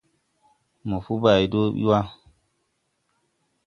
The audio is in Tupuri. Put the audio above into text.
Mopo bay do ɓi wa.